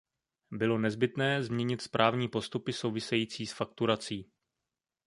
Bylo nezbytné změnit správní postupy související s fakturací.